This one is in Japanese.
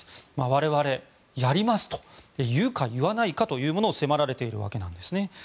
我々、やりますと言うか言わないかというのを迫られているわけなんですね。